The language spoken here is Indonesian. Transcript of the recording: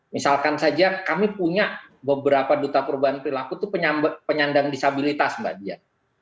misalkan saja kami punya beberapa duta perubahan perilaku itu penyandang disabilitas mbak dian